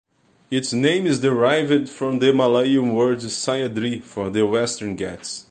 Its name is derived from the Malayalam word "Sahyadri" for the Western Ghats.